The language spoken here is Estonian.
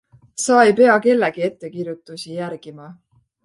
Sa ei pea kellegi ettekirjutusi järgima.